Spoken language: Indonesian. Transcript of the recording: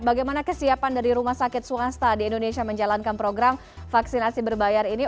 bagaimana kesiapan dari rumah sakit swasta di indonesia menjalankan program vaksinasi berbayar ini